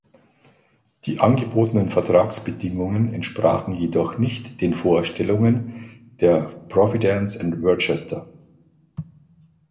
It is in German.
Die angebotenen Vertragsbedingungen entsprachen jedoch nicht den Vorstellungen der Providence&Worcester.